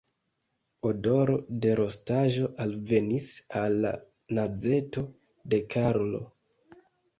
Odoro de rostaĵo alvenis al la nazeto de Karlo.